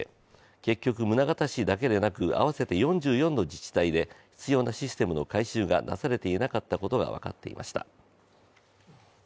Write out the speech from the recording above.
結局、宗像市だけでなく合わせて４４の自治体で必要なシステムの改修がなされていなったことが分かりました。